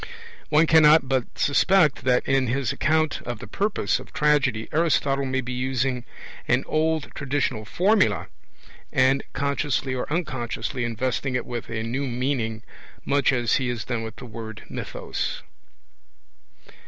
2). One cannot but suspect that in his account of the purpose of tragedy Aristotle may be using an old traditional formula, and consciously or unconsciously investing it with a new meaning, much as he has done with the word mythos.